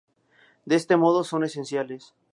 De este modo son esenciales.